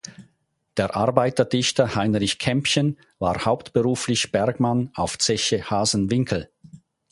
Der Arbeiterdichter Heinrich Kämpchen war hauptberuflich Bergmann auf Zeche Hasenwinkel.